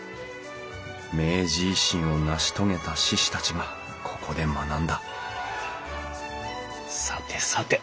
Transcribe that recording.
明治維新を成し遂げた志士たちがここで学んださてさて